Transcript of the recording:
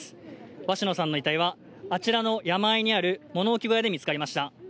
鷲野さんの遺体はあちらの山あいにある物置小屋で見つかりました。